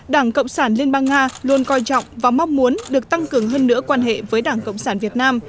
đảng cộng sản liên bang nga luôn coi trọng và mong muốn được tăng cường hơn nữa quan hệ với đảng cộng sản việt nam